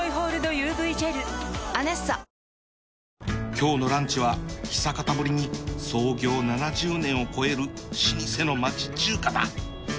今日のランチは久方ぶりに創業７０年を超える老舗の町中華だ